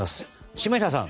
下平さん。